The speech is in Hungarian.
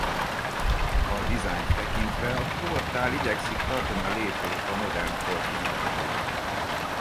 A designet tekintve a portál igyekszik tartani a lépést a modern kor kihívásaival.